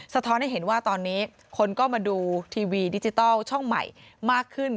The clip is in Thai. ท้อนให้เห็นว่าตอนนี้คนก็มาดูทีวีดิจิทัลช่องใหม่มากขึ้น